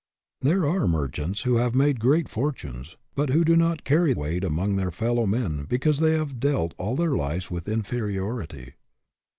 There are merchants who have made great fortunes, but who do not carry weight among their fellow men because they have dealt all their lives with inferiority.